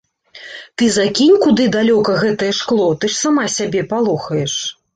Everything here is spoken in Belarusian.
Ты закінь куды далёка гэтае шкло, ты ж сама сябе палохаеш.